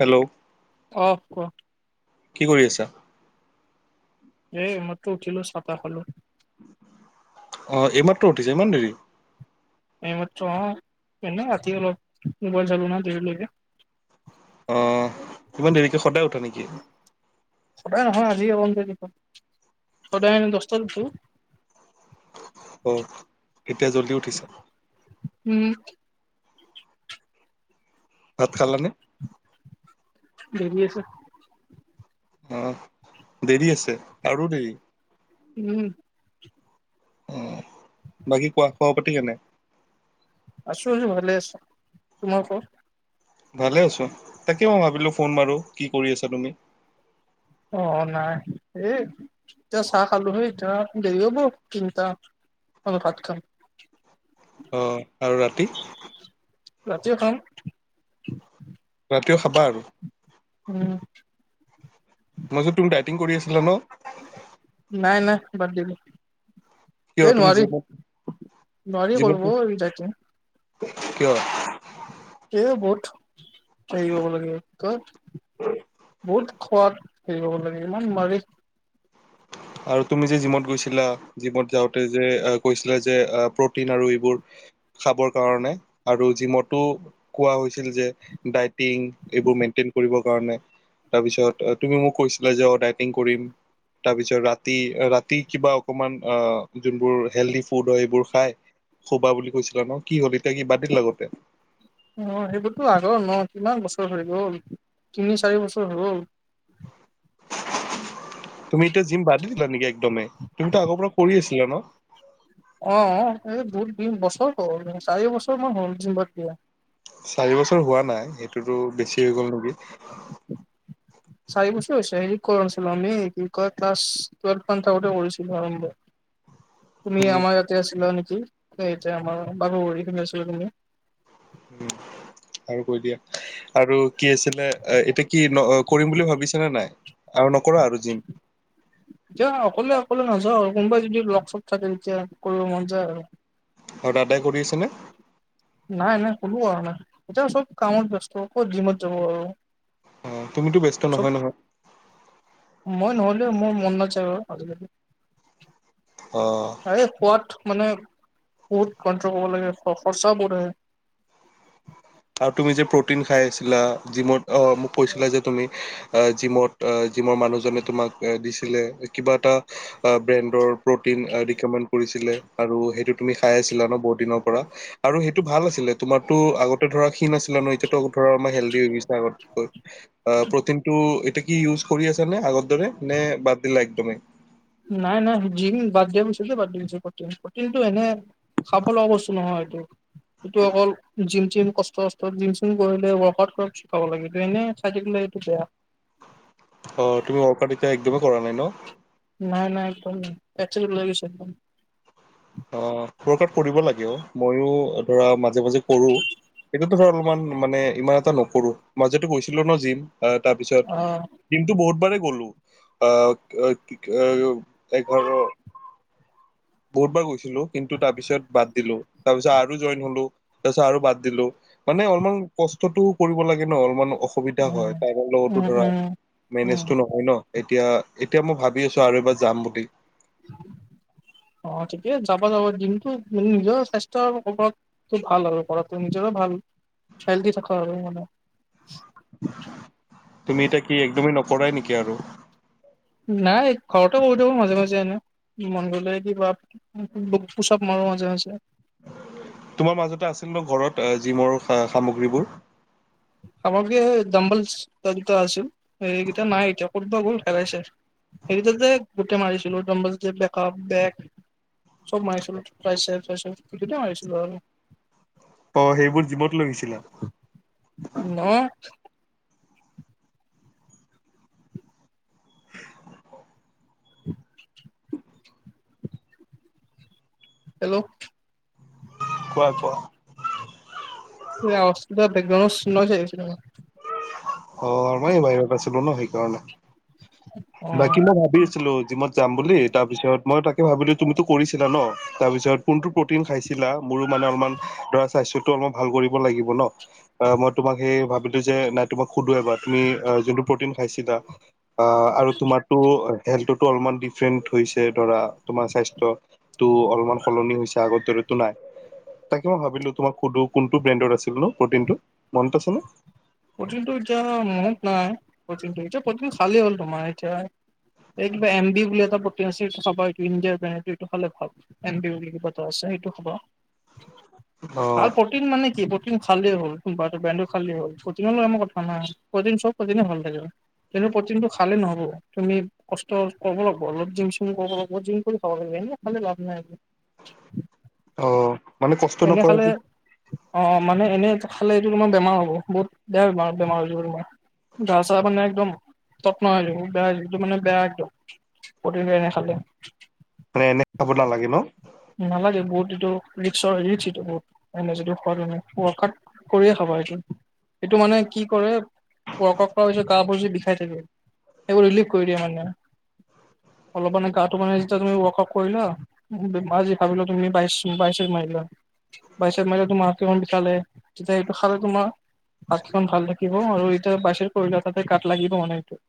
Hello? অ', কোৱা? কি কৰি আছা? এ মাত্ৰ উঠিলোঁ, চাহ তাহ খালোঁ। অ', এই মাত্ৰ উঠিছে, ইমান দেৰি? এইমাত্ৰ অ', এনে ৰাতি অলপ মোবাইল চালো না দেৰিলৈকে। অ', ইমান দেৰিকে সদায় উঠা নেকি? সদায় নহয় আজি অলপ দেৰি হল, সদায় দহটাট উঠো। অ', এতিয়া জল্দি উঠিছ? উম। ভাত খালা নে? দেৰি আছে। অ', দেৰি আছে, আৰু দেৰি? উম। অ', বাকী কোৱা, খবৰ পাতি কেনে? আছোঁ-আছোঁ, ভালে আছোঁ। তোমাৰ কুৱা? ভালে আছোঁ। তাকে মই ভাবিলোঁ ফোন মৰোঁ, কি কৰি আছা তুমি? অ, নাই। এই এতিয়া চাহ খালোহে এতিয়া দেৰি হ'ব তিনিটা ভাত খাম। অ', আৰু ৰাতি? ৰাতিও খাম। ৰাতিও খাবা আৰু? উম। মাজত তুমি ডাইটিং কৰি আছিলা ন? নাই - নাই বাদ দিলোঁ। কিয় এই তুমি নোৱাৰি জিমত - নোৱাৰি জিমত কৰিব এই ডাইটিং। কিয়? এই বহুত, হেৰি হব লাগে কি কয়? বহুত খোৱাৰ হেৰী কৰিব লাগে, ইমান নোৱাৰি। আৰু তুমি যে জিমত গৈছিলা, জিমত যাওঁতে যে কৈছিলা যে প্ৰটিন আৰু এইবোৰ খাবৰ কাৰণে, আৰু জিমতো কোৱা হৈছিল যে ডাইটিং এইবোৰ মেইনটেইন কৰিব কাৰণে? তাৰপিছত তুমি মোক কৈছিলা যে ডাইটিং কৰিম, তাৰপিছত ৰা ৰাতি - ৰাতি কিবা অকমান অ, যোনবোৰ হেলডি ফুড হয় এইবোৰ খাই সোবা বুলি কৈছিলা ন কি হল এতিয়া কি বাদ দিলা গোটে? অ', সেইবোৰতো আগৰ ন কিমান বছৰ হৈ গ'ল? তিনি চাৰি বছৰ হ'ল। তুমি এতিয়া জিম বাদ দি দিলা নেকি একদমেই, তুমিতো আগৰ পৰা কৰি আছিলা ন? অ', এই বহুত দিন বছৰ হ'ল চাৰি বছৰ মান হ'ল জিম বাদ দিয়া। চাৰি বছৰ হোৱা নাই, সেইটোতো বেছি হৈ গ'ল নেকি? চাৰি বছৰ হৈছে হেৰিত কৰানাছিলোঁ আমি, কি কয় ক্লাছ টোৱেলভ মানত থাকোঁতে কৰিছিলোঁ আৰম্ভ। [unintelligible] তুমি আমাৰ ইয়াতে আছিলা নেকি, ইয়াতে আমাৰ [unintelligible] ফালে আছিলা তুমি। উম। আৰু কৈ দিয়া। আৰু কি আছিলে এতিয়া কি ন কৰিম বুলি ভাবিছে নে নাই? আৰু নকৰা আৰু জিম? এতিয়া অকলে - অকলে নাযাওঁ আৰু কোনোবাই যদি লগ চগ থাকে তেতিয়া কৰিব মন যায় আৰু। আৰু দাদাই কৰি আছেনে? নাই - নাই কোনো অহা নাই। এতিয়া চব কামত ব্যস্ত কত জিমত যাব আৰু। অ', তুমিতো ব্যস্ত চব নহয় - নহয়। মই নহলেওঁ মোৰ মন নাযায় অ আজিকালি। অ', এই খোৱাত মানে বহুত কন্ট্ৰল কৰিব লাগে, খৰচাও বহুত হয়। আৰু তুমি যে প্ৰটিন খাই আছিলা জিমত অ, মোক কৈছিলা যে তুমি অ, জিমত, জিমৰ মানুহজনে তোমাক দিছিলে কিবা এটা ব্ৰেণ্ডৰ প্ৰটিন ৰিকমেণ্ড কৰিছিলে আৰু সেইটো তুমি খাই আছিলা ন বহুত দিনৰ পৰা? আৰু সেইটো ভাল আছিলে তোমাৰো আগত এইটো ধৰা ক্ষিন আছিলা ন এতিয়াটো আকৌ ধৰা সেলডি হৈ গৈছা আগতকৈ? অ, প্ৰটিন টো টো এতিয়া কি ইউজ কৰি আছা নে আগৰ দৰে নে বাদ দিলা একদমেই? নাই-নাই জিম বাতদিয়া পিছতে বাদ দি দিছোঁ প্ৰটিন। প্ৰটিন টো এনে [unintelligible] বস্তু নহয় এইটো। এইটো অকল জিম চিম কষ্ট জিম চিম কৰিলে ৱৰ্ক আউট শিকাব লাগে, এইটো এনে [unintelligible] অ', তুমি ৱৰ্কআউট এতিয়া একদমেই কৰা নাই ন? নাই-নাই একদম নাই, পেত ছেট ওলাই গৈছে একদম। অ', ৱৰ্ক আট কৰিব লাগে অ। ময়ো ধৰা মাজে-মাজে কৰোঁ। সেইটোতো হয় অলপমান মানে ইমান এটা নকৰোঁ, মাজতে গৈছিলোঁ ন জিম অ, তাৰপিছত অ' দিনটো বহুতবাৰেই গলোঁ, অ, এ ঘৰ বহুত বাৰ গৈছিলোঁ, কিন্তু তাৰ পিছত বাদ দিলোঁ, তাৰ পিছত আৰু জইন হলোঁ, তাৰ পিছত আৰু বাদ দিলোঁ মানে অলপমান কষ্টতটো কৰিব লাগে ন অলপমান অসুবিধা উম। হয়, [unintelligible] উম লগতো ধৰা উম। উম মেনেজটো নহয় ন? এতিয়া-এতিয়া মই ভাবি আছোঁ আৰু এবাৰ যাম বুলি। [unintelligible] অ', থিকে আছে যাবা-যাবা দিনটো নিজৰ স্বাস্থ্যৰ ওপৰত তো ভাল আৰু কৰাটো নিজৰো ভাল [unintelligible] দি থাকা আৰু মানে। তুমি এতিয়া কি একদমেই নকৰাই নেকি আৰু? নাই ঘৰতে কৰি থাকোঁ মাজে-মাজে এনেই মন গলে কিবা পুছ আপ মৰোঁ মাজে-মাজে। তোমাৰ মাজতে আছিল ন ঘৰত জিমৰ সামগ্ৰীবোৰ? সামগ্ৰী এ ডাম্বেল দুটা-দুটা আছিল, এইকেইটা নাই এতিয়া। কতবা গ'ল হেৰাইছে। সেই দুটাতে গোটেই মাৰিছিলোঁ ডম্ব [unintelligible] চব মাৰিছিলোঁ, ট্ৰাইচেপ, বাইচেপ, হেইকিতাই মাৰিছিলোঁ আৰু। অ', সেইবোৰ জিমত লৈগৈছিলা? নহয়। [unintelligible] [unintelligible] হেল্ল'? কোৱা-কোৱা? এই অৱজটো কিবা বেকগ্ৰাউণ্ড নইজ আহি আছে তোমাৰ। অ', মই বাহিৰত আছিলোঁ ন, সেইকাৰণে। অ বাকী মই ভাবি আছিলোঁ, যিমই যাম বুলি, তাৰপিছত মই তাকে ভাবিলোঁ তুমিতো কৰিছিলা ন? তাৰপিছত কোনটো প্ৰটিন খাইছাঁ [unintelligible] মোৰো মানে অলমান ধৰা স্বাস্থ্যটো অলপমান ভাল কৰিব লাগিব ন'? অ', মই তোমাক সেই ভাবিলোঁ যে তোমাক সুধো এবাৰ তুমি যোনটো প্ৰটিন খাইছিলা। আ, আৰু তোমাৰতো আ হেল্থতো অলপমান ডিফৰেণ্ট হৈছে ধৰা তোমাৰ স্বাস্থ্য টো অলপমান সলনি হৈছে আগৰ দৰেতো নাই। তাকে মই ভাবিলোঁ তোমাক শুধু। কোনটো ব্ৰেণ্ডৰ আছিল ন প্ৰটিনটো, মনত আছেনে? প্ৰটিনটো এতিয়া মনত নাই। প্ৰটিন এতিয়া প্ৰটিন খালে হ'ল তোমাৰ এতিয়া এই কিবা এম বি বুলি এটা প্ৰটিন আছে সেইটো খাবা, সেইটো ইণ্ডিয়াৰটো এইটো হ'লে ভাল। এন বি বুলি কিবা এটা আছে সেইটো খাবা। [unintelligible] প্ৰটিন মানে কি, প্ৰটিন খালেই হল। কোনবা এটো ব্ৰেণ্ডৰ খালেই হ'ল। [unintelligible] কথা নাই প্ৰটিন চব প্ৰটিনে ভাল [unintelligible] প্ৰটিনটো খালে নহ'ব, তুমি কষ্ট কৰিব লাগিব অলপ জিম চিম কৰিব লাগিব জিম কৰি খাব লাগিব হয়ে ন? মানে লাভ নাই একো। [inaudible] অ মানে কষ্ট [inaudible] এনে খালে নকৰাকে অ', মানে এনে খালে এইটো তোমাৰ বেমাৰ হ'ব। বহুত বেয়া বেমাৰ -বেমাৰ হৈ যাব তোমাৰ। গা চা মানে একদম তত নোহোৱা হয় যাব, বেয়া হৈ যাব, যিটো মানে বেয়া একদম। প্ৰটিন এনে খালে। মানে এনে খাব নালাগে ন'? নালাগে বহুত এইটো ৰিক্সৰ -ৰিক্সটো বহুত এনে যদি খোৱা তুমি। ৱৰ্কআউট কৰিয়ে খাবা এইটো। এইটো মানে কি কৰে ৱৰ্ক কৰা পিছত গাবোৰ যে বিষাই থাকে, সেইবোৰ ৰিলিফ কৰি দিয়ে মানে। অলপ মানে গাটো মানে যেতিয়া তুমি ৱৰ্ক আউট কৰিলা। [unintelligible] মই যি ভাবিলোঁ তুমি বাইছ বাইচেপ মাৰি লোৱা। বাইছ মৰিলে তোমাৰ হাতকেইখন বিষালে, তেতিয়া এইটো খালে তোমাৰ হাতখন ভাল থাকিব আৰু এতিয়া বাইছ চেপ কৰিলে তাতে গাত লাগিব মানে এইটো।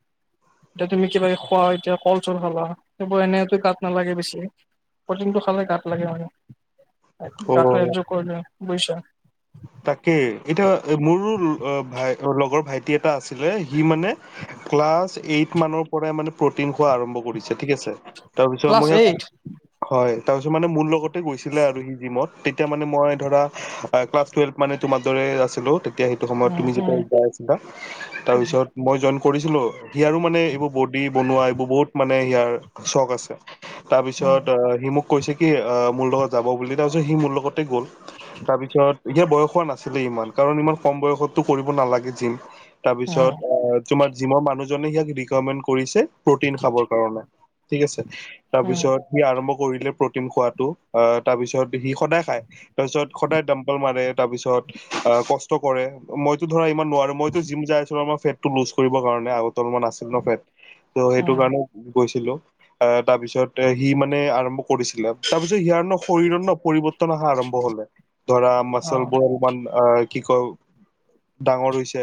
এতিয়া তুমি কিবা খোৱা এতিয়া কল- চল খালা সেইবোৰ এনেতো গাত নালাগে বেছি। প্ৰটিনটো খালে গাত লাগে মানে। অ গাটো একযোগ কৰি লোৱা বুইচা? তাকে এতিয়া মোৰো ভাই লগৰ ভাইটি এটা আছিলে সি মানে ক্লাছ এইট মানৰ পৰাই মানে প্ৰটিন খোৱা আৰম্ভ কৰিছে ঠিক আছে? তাৰপিছত ক্লাছ মই হিয়াক, এইট হয়। তাৰপিছত মানে মোৰ লগতে গৈছিলে আৰু সি জিমত। তেতিয়া মানে মই ধৰা ক্লাছ টোৱেলভ মানে তোমাৰ দৰে আছিলোঁ। তেতিয়া সেইটো সময়ত উম তুমি উম যেতিয়া [inaudible] আছিলা। তাৰ পিছত মই জইন কৰিছিলোঁ। সিয়াৰো মানে এইবোৰ বডি বনোৱা এইবোৰ বহুত মানে হিয়াৰ চখ আছে। উম তাৰপিছত আ সি মোক কৈছে কি আ মোৰ লগত যাব বুলি তাৰপিছত সি মোৰ লগতে গ'ল। তাৰ পিছত সিয়াৰ বয়স হোৱা নাছিলে ইমান কাৰণ ইমান কম বয়সতটো কৰিব নালাগে জিম। তাৰপিছত উম এ তোমাৰ জিমৰ মানুহজনে সিয়াক ৰিকামেণ্ড কৰিছে প্ৰটিন খাবৰ কাৰণে। ঠিক আছে। উম তাৰপিছত সি আৰু মোক পঢ়িলে প্ৰটিন খোৱাটো। অ, তাৰপিছত সি সদায় খাই, তাৰছত সদাই ডম তল মাৰে তাৰপিছত আ, কষ্ট কৰে মইতো ধৰা ইমান নোৱাৰো মইতো জিম যাই আছোঁ ন, মইতো ফেটটো লুজ কৰিব কাৰণে আগত অলপমান আছিল ন ফেট? ত' সেইটো উম কাৰণে গৈছিলোঁ। অ', তাৰ পিছত এ সি মানে আৰম্ভ কৰিছিলে। তাৰপিছত সিয়াৰ ন' শৰীৰৰ ন' পৰিৱৰ্ত ত' নাহা আৰম্ভ হলে ধৰা অ মাচলবোৰ অলপমান অহ, কি কয় ডাঙৰ হৈছে,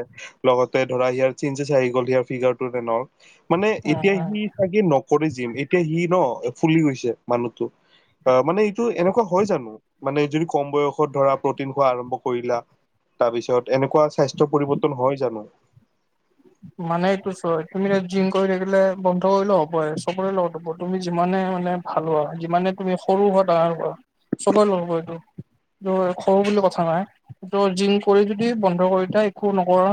লগতে ধৰা ইয়াৰ চেইনজেছ আহি গ'ল, সিয়াৰ ফিগাৰটোতে [unintelligible] মানে উম এতিয়া উম সি চাগে নকৰে যিম এতিয়া সি ন, ফুলি গৈছে মানুহটো। অ', মানে এইটো এনেকুৱা হয় জানো? মানে যিটো কম বয়স ধৰা প্ৰটিন খোৱা আৰম্ভ কৰিলা, তাৰ পিছত এনেকুৱা স্বাস্থ্য পৰিৱৰ্তন হয় জানো? মানে এইটো চোৱা, তুমি এতিয়া জিম কৰি থাকিলে বন্ধ কৰিলেও হ'বয়ে, চবৰে লগত হ'ব, তুমি যিমানে মানে ভালো হোৱা, যিমানে তুমি সৰু হোৱা ডাঙৰ হোৱা। চ'বৰ লগ হ'ব এইটো, এইটো খৰু বুলি কথা নাই। ত' জিম কৰি যদি বন্ধ কৰি থয়, একো নকৰা,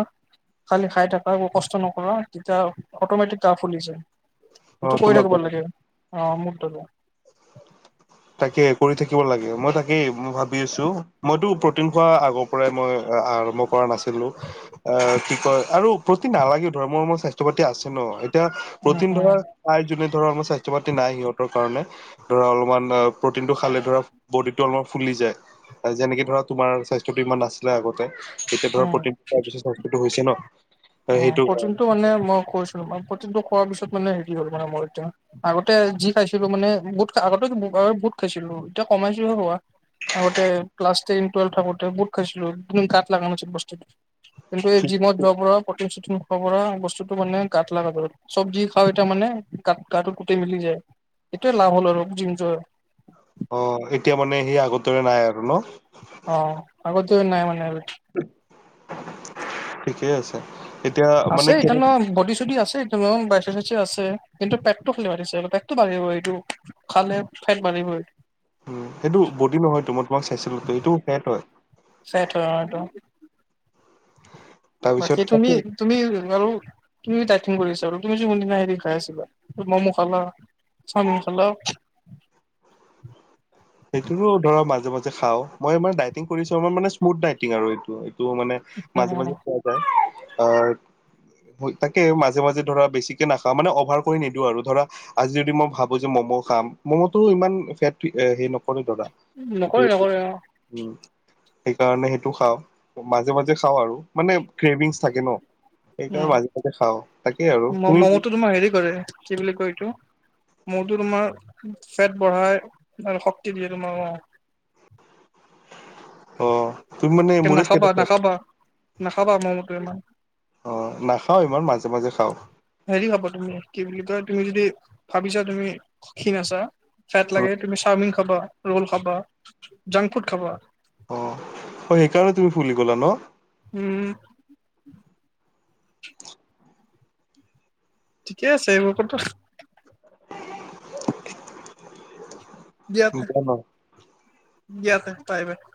খালি খাই থাক একো কষ্ট নকৰা, তেতিয়া অটমেটিক গা ফুলি যায়, অ সেইটো কৰি থাকিব তোমাক লাগে। অ', [unintelligible] তাকে কৰি থাকিব লাগে, মই তাকেই ভাবি আছোঁ, মইতো প্ৰটিন খোৱা আগৰ পৰাই মই আ আৰম্ভ কৰা নাছিলোঁ। অ', কি কয় আৰু প্ৰটিন নালাগেও ধৰ মোৰ- মোৰ স্বাস্থ্য পাতি আছে ন', এই এতিয়া উম প্ৰটিন উম ধৰ প্ৰায় যোনে ধৰ [unintelligible] স্বাস্থ্য পাতি নাই সিহঁতৰ কাৰণে ধৰা অলপমান অ', প্ৰটিনটো খালে ধৰা বডিটো অলপমান ফুলি যায়। যেনেকে ধৰা তোমাৰ স্বাস্থ্যটো ইমান নাছিলে আগতে, এতিয়া ধৰা উম প্ৰটিন খোৱা পিছত স্বাস্থ্যটো হৈছে ন। অ', সেইটো কাৰণে প্ৰটিনটো মানে মই কৈছিলো, মই প্ৰটিনটো খোৱাৰ পিছত মানে হেৰি হ'ল মানে মোৰ এতিয়া। আগতে যি খাইছিলো মানে, বুত আগতে বুত খাইছিলো, এতিয়া কমাইছোহে ৰ'বা। আগতে ক্লাছ টেন টোৱেলভ থাকোঁতে বুট খাইছিলো, কিন্তু গাঁত লাগ নোছিল বস্তুটো। কিন্তু এই জিমত যোৱাৰ পৰা প্ৰটিন চটিন খোৱাৰ পৰা বস্তুটো মানে গাত লাগা হ'ল। চব্জি খাওঁ এতিয়া মানে গাত গাটোত গোটেই মিলি যায়, সেইটোৱে লাভ হ'ল আৰু জিম যোৱাৰ। অ', এতিয়া মানে সেই আগৰ দৰে নাই আৰু ন। অ', আগতেও নাই মানে আৰু। ঠিকেই আছে। এতিয়া মানে আছে কেনে [unintelligible] বডি চডি আছে। [unintelligible] আছে, কিন্তু পেতটো খালি [unintelligible] পেতটো বাঢ়িব এইটো। খালে ফেট বাঢ়িবই। উম, সেইটো বডি নহয়তো মই তোমাক চাইছিলো, সেইটো ফেট হয়। ফেট হয় অ', এইটো। তাৰপিছত বাকী তুমি তাকো তুমি বাৰু তুমি দাইটিং কৰিছা আৰু তুমি যোনদিনা সেইদিন খাই আছিলা ম'ম খালা। চাওমিন খালা। সেইটোৰো ধৰক মাজে মাজে খাওঁ, মই মানে ডাইটিং কৰিছো আমাৰ মানে স্মুথ ডাইটিং আৰু এইটো- এইটো মানে মাজে- মাজে খোৱা যায়, অ', তাকে, মাজে মাজে ধৰা বেছিকে নাখাওঁ, মানে অভাৰ কৰি নিদিওঁ আৰু ধৰা আজি যদি মই ভাবো যে মম' খাম, মম'টো ইমান ফেট এ হেৰি [unintelligible] উম, নকৰে নকৰে অ সেইকাৰণে সেইটো খাওঁ, মাজে- মাজে খাওঁ আৰু। মানে ক্ৰেভিংছ থাকে ন, সেইকাৰণে মাজে- মাজে খাওঁ, তাকে আৰু উম তুমি মম'টো তোমাৰ হেৰি কৰে। কি বুলি কয় এইটো মোৰটো তোমাৰ ফেট বঢ়াই আৰু শক্তি দিয়ে, তোমাৰ অ'। অ'। তুমি মানে এ মোৰে ষ্টেটাছ নাখাবা- নাখাবা- নাখাবা ম'ম'টো ইমান। অ', নাখাওঁ ইমান, মাজে- মাজে খাওঁ। হেৰি খাবা তুমি, কি বুলি কয় তুমি যদি ভাবিছা তুমি খীন আছা ফেট অ লাগে, তুমি চাওমিন খাবা, ৰ'ল খাবা, জাংক ফুড খাবা। অ', অ', সেইকাৰণে তুমি ফুলি গ'লা ন। উম। ঠিকে আছে এইবোৰ কত বেয়া [unintelligible]